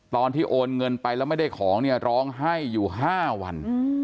โอนเงินไปแล้วไม่ได้ของเนี่ยร้องไห้อยู่๕วัน